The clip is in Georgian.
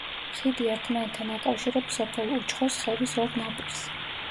ხიდი ერთმანეთთან აკავშირებს სოფელ უჩხოს ხევის ორ ნაპირს.